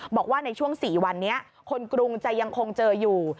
บอกว่าในช่วง๔วันนี้คนกรุงจะยังคงเจออยู่